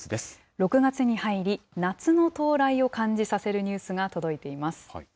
６月に入り、夏の到来を感じさせるニュースが届いています。